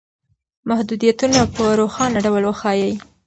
محدودیتونه په روښانه ډول وښایئ.